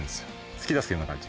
突き出すような感じ。